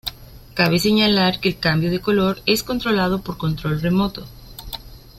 Cabe señalar que el cambio de color es controlado por control remoto.